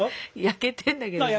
焼けてんだけどな。